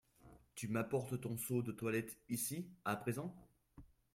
Tu m’apportes ton seau de toilette ici, à présent ?